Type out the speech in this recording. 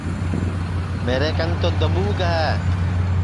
میرے کن تو دھٻوک ہے